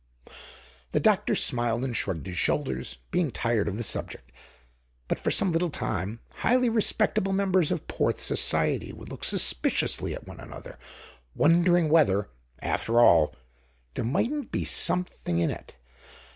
The doctor smiled and shrugged his shoulders, being tired of the subject. But for some little time highly respectable members of Porth society would look suspiciously at one another wondering whether, after all, there mightn't be "something in it."